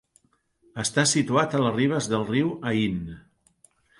Està situat a les ribes del riu Ain.